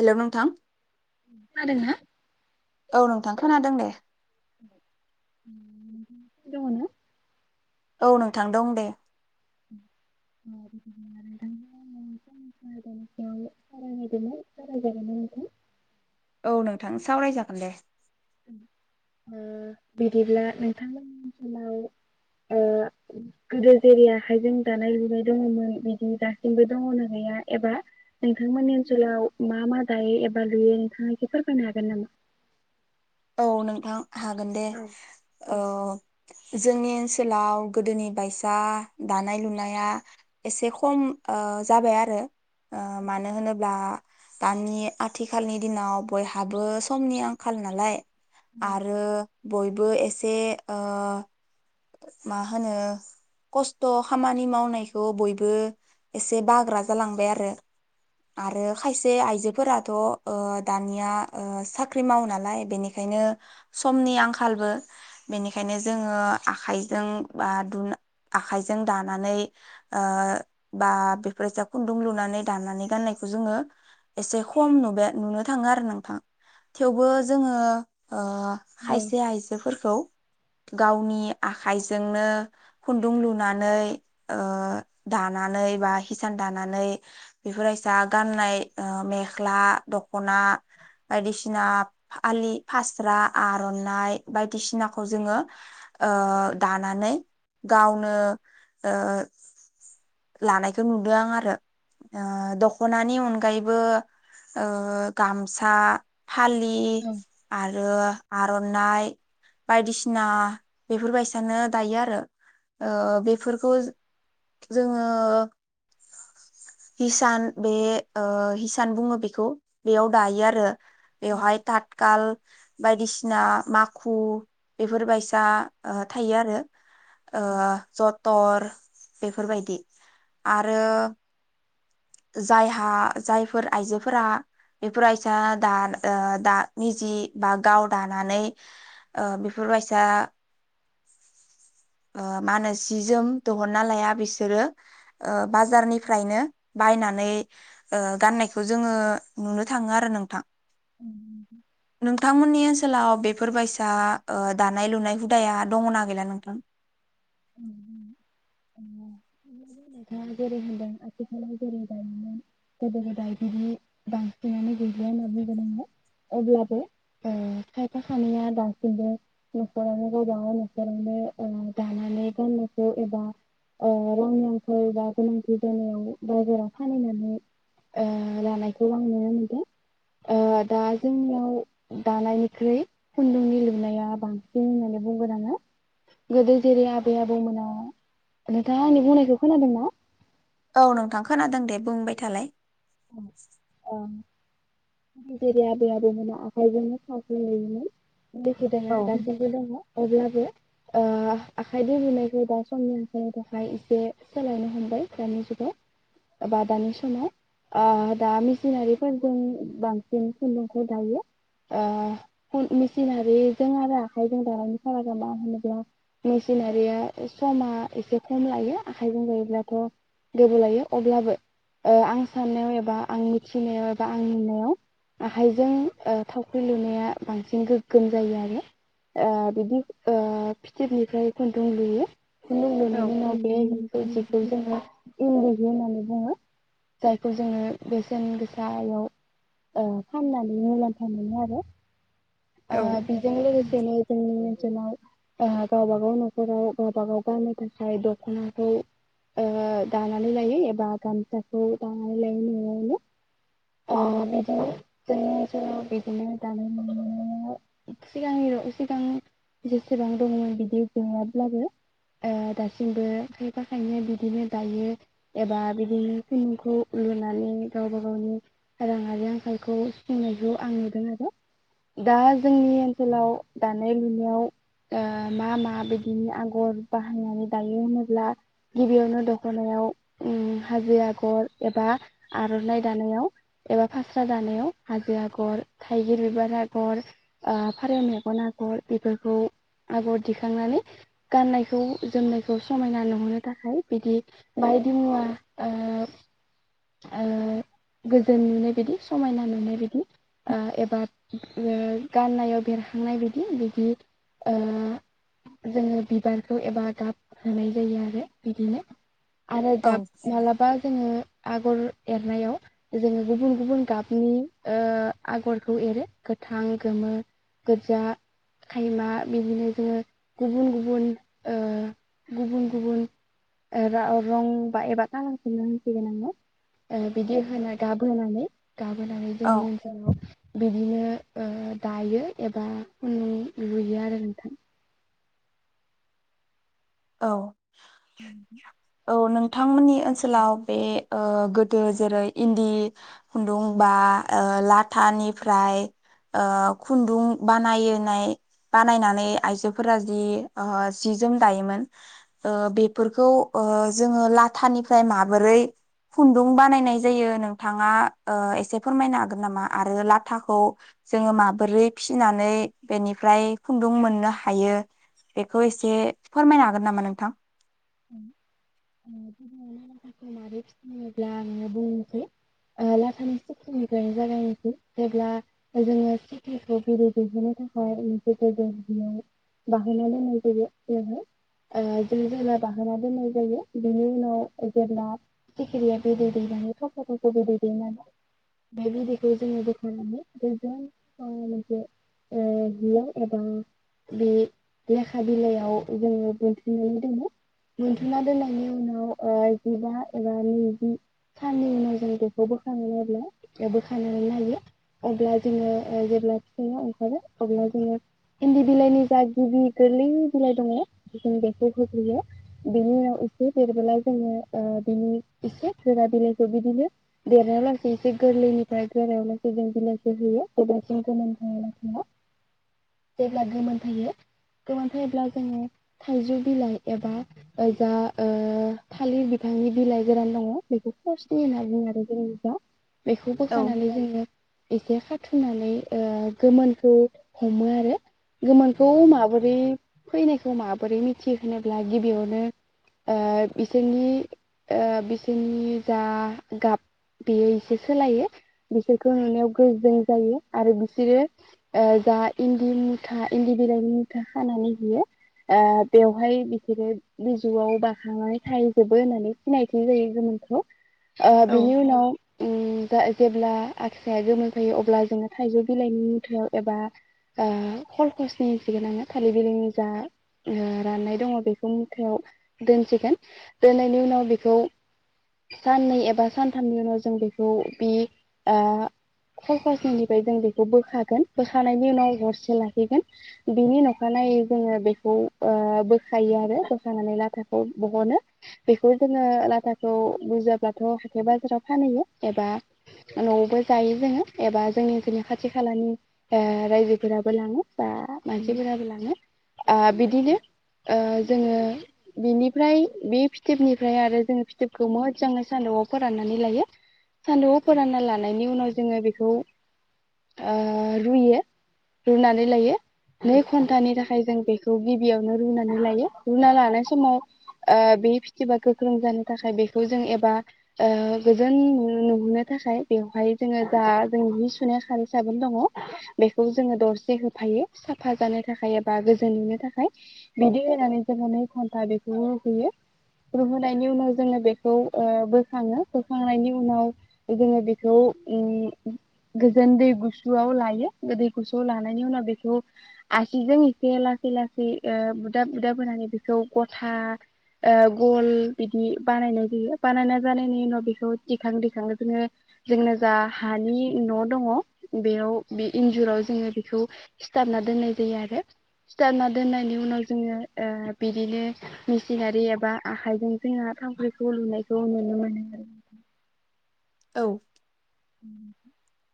Hello नोंथां खोनादों ना औ नोंथां खोनादों दे दङ ना औ नोंथां दं दे [unintelligible] खोनादों ना जागाय जागोन ना नोंथां औ नोंथां सावरायजागोन दे ओ बिदिब्ला नोंथांमोननि ओनसोलाव ओ गोदो जेरै आखाइजों दानाय लुनाय दङमोन बिदि दासिमबो दङना गैया एबा नोंथांमोननि ओनसोलाव मा मा दायो एबा लुयो नोंथाङा एसे फोरमायनो हागोन नामा औ नोंथां हागोन दे औ औ ओ जोंनि ओनसोलाव गोदोनि बायसा दानाय लुनाया एसे खम ओ जाबाय आरो ओ मानो होनोब्ला दानि आथिखालनि दिनाव बयहाबो समनि आंखाल नालाय आरो बयबो ए से ओ मा होनो खस्थ' खामानि मावनायखौ बयबो एसे बाग्रा जालांबाय आरो आरो खायसे आइजोफोराथ' ओ दानिया ओ साख्रि मावो नालाय बेनि खायनो समनि आंखालबो बेनिखायनो जोङो आखाइजों बा आखाइजों दानानै ओ बा बेफोर जा खुन्दुं लुनानै दानानै गाननायखौ जोङो एसे खम नुबा नुनो थाङो आरो नोंथां थेवबो जोङो ओ औ खायसे आइजोफोरखौ गावनि आखाइजोंनो खुन्दुं लुनानै ओ दानानै बा हिसान दानानै बेफोर बायसा गाननाय मेख्ला दखना बायदिसिना फालि फासरा आर'नाइ बायदिसिनाखौ जोङो ओ दानानै गावनो ओ लानायखौ नुदों आं आरो दख'नानि अनगायैबो ओ गामसा फालि औ आरो आर'नाइ बायदिसिना बेफोर बायसानो दायो आरो ओ बेफोरखौ जोङो हिसान बे ओ हिसान बुङो बेखौ बेयाव दायो आरो बेहाय थतखाल बायदिसिना माखु बेफोर बायसा थायो आरो जथर बेफोरबायदि आरो जायहा जायफोर आइजोफोरा बेफोर बायसा दा ओ दा निजि बा गाव दानानै बेफोर बायसा माहोनो जि जोम दिहुना लाया बिसोरो ओ बाजारनिफ्रायनो बायनानै नै गाननायखौ जोङो नुनो थाङो आरो नोंथां। नोंथांमोननि ओनसोलाव बेफोर बायसा दानाय लुनाय हुदाया दङना गैला नोंथां? औ नोंथाङा जेरै होनदों आथिखालाव जेरै दायोमोन गोदो गोदायनि बांसिनानो गैलिया होनना बुंगोनोनङो। अब्लाबो खायफा खानायया दासिमबो न'खरावनो गबाङाव न'खरावनो दानानै गानायखौ एबा रांनिफोर आंखाल बा गोनांथि जानायाव बाजाराव फलिनानै लानायखौ आं नुनो मोनदों। दा जोंनियाव दानायनिख्रुइ खुन्दुंनि लुनाया बांसिन होननानै बुंगोन आंओ गोदो जेरै आबै आबौमोना नोंथाङा आंनि बुंनायखौ खोनादों ना? औ नोंथां खोनादों दे बुंबाय थालाय। औ। जेरै आबै आबौमोना आखाइजोंनो सोंगहोयु मोन। बे औ हुदाया दासिमबो दं। अब्लाबो आखाइ दगनायखौ दा समनि आंखायनि थाखाय एसे सोलायनो हमबाय दानि जुगाव बा दानि समाव अ दा मेसिनारिफोरजों बांसिन खुन्दुंखौ दायो मेसिनारिजों आरो आखाइजों दानायनि फारागा मा होनोब्ला मेसिनारिया समा एसे खम लायो आखाइजों दायोब्लाथ' गोबाव लायो अब्लाबो। आं साननायाव एबा आं मिथिनायाव एबा आं नुनायाव, आखाइजों थावख्रि लुनाया बांसिन गोगोम जायो। आरो बिदि फिथोबनिफ्राय खुन्दुं लुयो। औ लोंगनानै उन बे जिखौ जोङो इंदि जि होननानै बुङो। जायखौ जोङो बेसेन गोसायाव ओ फाननानै मुलाम्फा मोनो आरो। आ औ बेजों लोगोसे नो जोंनि जोंनाव आ गावबा गाव नखराव गावबा गाव गाननो थाखाय दखनाखौ, ओ दानानै लायो एबा गामसाखौ दानानै लायो नआवनो बिदिनो [unintelligible] सिगांनि सिगां जेसेबां दङमोन बिदि गैयाब्लाबो ओ दासिमबो खायफा खायनो बिदिनो दायो एबा बिदिनो खुन्दुंखौ लुनानै गावबा गावनि राङारि आंखालखौ सुफुंनायखौ आं नुदों आरो। दा जोंनि ओनसोलाव दानाय लुनायाव, आ मा मा बिदिनि आगर बाहायनानै दायो होनोब्ला? गिबियावनो दखनायाव उम हाजो आगर एबा आरनाइ दानायाव एबा फास्रा दानायाव हाजो आगर, थाइगिर बिबारा आगर फारौ मेगन आगर बेफोरखौ आगर दिखांनानै, गाननायखौ जोमनायखौ समायना नुहोनो थाखाय। बिदि बायदि मुवा ओ ओ गोजोन नुनाय बायदि समायना नुनाय बायदि, आ एबा उम गाननायाव बेरखांनाय बायदि बिदि ओ जोङो बिबारखौ एबा गाब होनाय जायो आरो बिदिनो। आरो गाब माब्लाबा जोङो आगर एरनायाव, जोङो गुबुन गुबुन गाबनि ओ आगरखौ एरो गोथां, गोमो, गोजा, खायमा बिदिनो जोङो गुबुन गुबुन ओ गुबुन गुबुन रं बा एबा खालारखौनो होनसिगोन आङो। ओ बिदि होनो गाब होनानै गाब होनानै औ जोंनि ओनसोलाव बिदिनो ओ दायो एबा लु लुयो आरो नोंथां। औ। औ नोंथांमोननि ओनसोलाव बे ओ गोदो जेरै इन्दि खुन्दुं बा ओ लाथानिफ्राय ओ खुन्दुं बानायनाय बानायनानै आइजोफोरा जि ओ जि जोम दायोमोन। ओ बेफोरखौ जोङो लाथानिफ्राय माबोरै खुन्दुं बानायनाय जायो? नोंथाङा ओ एसे फोरमायनो हागोन नामा? आरो लाथाखौ जोङो माबोरै फिनानै बेनिफ्राय खुन्दुं मोननो हायो? बेखौ एसे फोरमायनो हागोन हागोन नामा नोंथां? [unintelligible] ब्ला आङो बुंनोसै लाथानि सिकिनिफ्रायनो जागायनोसै जेब्ला जोङो सिख्रिखौ बिदै दैहोनो थाखाय मोनसे [unintelligible] बाहोना दोननाय जायो जोङो [unintelligible] बाहोना दोननाय जायो, बिनि उनाव जेब्ला सिखिरिया बिदै दैनानै थफ थफ बिदै दैनानै। बे बिदैखौ जोङो बोखांनानै गोजोन मोनसे ओ हिआव एबा बे लेखा बिलाइयाव जोङो बोन्थुमनानै दोनो। बोनथुमना दोननायनि उनाव ओ जिबा एबा नैजि साननि उनाव जों बेखौ बोखाङोब्ला, बोखांनानै नायो अब्ला जोङो जेब्ला फिसाया ओंखारो अब्ला जोङो इन्दि बिलाइनि जा गिबि गोरलै बिलाइ दङ जों बेखौ होग्रोयो। बेनि उनाव एसे देरबोला जोङो ओ बिनि एसे गोरा बिलाइखौ बिदिनो देरनायाव लासै एसे गोरलैनिफ्राय गोरायाव लासै जों बिलाइखौ होयो [unintelligible] जेब्ला गोमोन फैयो गोमोन फैब्ला जोङो थाइजौ बिलाइ एबा जा ओ थालिर बिफांनि बिलाइ गोरान दङ बेखौ फार्स्ट सि होनना बुङो आरो जोंनि जा बेखौ औ बोखानानै जोङो एसे खाथुमनानै, ओ गोमोनखौ हमो आरो। गोमोनखौ माबोरै फैनायखौ माबोरै मिथियो? होनोब्ला गिबियावनो आ बिसोरनि आ बिसोरनि। जा गाब बेयो एसे सोलायो बिसोरखौ नुनायाव गोजों जायो, आरो बिसोरो आ जा इन्दि मुथा इन्दि बिलाइनि मुथा खानानै होयो आ बेव हाय बिसोरो गोजौआव बाखांनानै थाहैजोबो होननानै सिनायथि होयो गोमोनखौ। आ बेनि उनाव उम दा जेब्ला आस्राया गोमोन जायो अब्ला जोङो थाइजौ बिलाइनि मुथायाव एबा ओ खलखसनि [unintelligible] थालिर बिलाइनि जा ओ राननाय दङ बेखौ मुथायाव दोनसिगोन दोननायनि उनाव बेखौ साननै एबा सानथामनि उनाव जों बेखौ बे आ खलखसनिफ्राय जों बेखौ बोखागोन बोखानायनि उनाव हरसे लाखिगोन बिनि अखानायै जोङो बेखौ ओ बोखायो आरो बोखानानै लाथाखौ बहनो बेखौ जोङो लाथाखौ बुरजाब्लाथ हाथाय बाजाराव फानहैयो एबा नआवबो जायो जोङो एबा जोंनि जोंनि खाथि खालानि ओ रायजोफोराबो लाङो। बा औ मानसिफोराबो लाङो आ बिदिनो ओ जोङो बिनिफ्राय बे फिथोबनिफ्राय आरो जोङो फिथोबखौ मोजाङै सान्दुंआव फोराननानै लायो सानदुंआव फोरानना लानायनि उनाव जोङो बेखौ ओ रुयो रुनानै लायो। नै घन्टानि थाखाय जों बेखौ गि बियावनो रुनानै लायो रुना लानाय समाव आ बे फिथोबा गोख्रों जानो थाखाय बेखौ जों एबा गोजों नुहोनो थाखाय बेवहाय जोङो जा जोंनि जि सुनाय खारै साबोन दङ बेखौ जोङो दरसे होफायो साफा जानो थाखाय एबा गोजों नुनो थाखाय। बिदि होनानै जोङो नै घन्टा बेखौ रुहोयो रुहोनायनि उनाव जोङो बेखौ ओ बोखाङो बोखांनायनि उनाव जोङो बेखौ उम गोजों दै गुसुआव लायो गोदै गुसुआव लानायनि उनाव बेखौ आसिजों एसे लासै लासै जि ओ बुदाब बुदाब होनानै बेखौ गथा ओ गल बिदि बानायनाय जायो बानायना जानायनि उनाव बेखौ दिखां दिखां जोङो जोंनो जा हानि न दङ बेयाव बे इन्जुराव जोङो बेखौ सिथाबना दोननाय जायो आरो सिथाबना दोननायनि उनाव जोङो ओ बिदिनो मेसिनारि एबा आखाइजों जोङो थावख्रिखौ लुनायखौ नुनो मोनो औ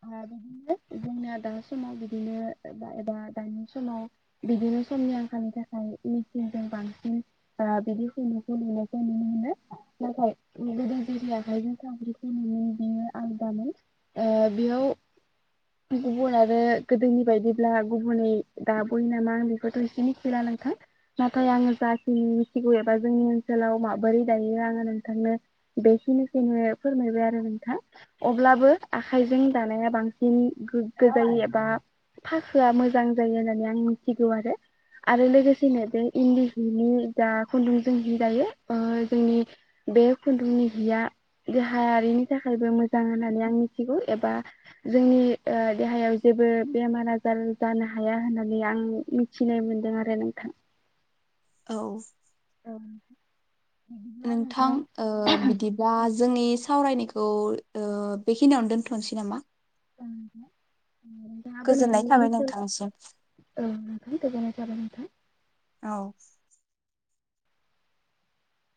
ओ बेदिनो जोंना दा समाव बिदिनो एबा एबा दानि समाव बिदिनो समनि आंखालनि थाखाय मेचिनजों बांसिन आ बिदि खुनदुंखौ लुनायखौ नुनो मोनो नाथाय गोदो जेरै आखाइजों थावख्रिखौ लुयो बियो आलदामोन आ बेयाव गुबुन आरो गोदोनि बायदिब्ला गुबुनै दाबय नामा आं बेखौथ एसे मिथिला नोंथां नाथाय आङो जाखि मिथिगौ एबा जोंनि ओनसोलाव माबोरै दायो आङो नोंथांनो बेखिनिखौनो फोरमायबाय आरो नोंथां अब्लाबो आखाइजों दानाया बांसिन गोग्गो जायो एबा फाखोआ मोजां जायो होननानै आं मिथिगौ आरो आरो लोगोसेनो बे इन्दि हिनि जा खुन्दुंजों हि दायो ओ जोंनि बे खुन्दुंनि हिया देहायारिनि थाखायबो मोजां होननानै आं मि थिगौ एबा जोंनि ओ देहायाव जेबो बेमार आजार जानो हाया होननानै आं मिथिनाय मोनदों आरो नोंथां। औ औ नोंथां ओ बिदिब्ला जोंनि सावरायनायखौ ओ बेखिनियावनो दोनथ'नोसै नामा [unintelligible] नोंथाङाबो गोजोननाय नोंथांनि थाबाय ओनसोल नोंथांसिम औ नोंथां गोजोनाय थांबाय नों औ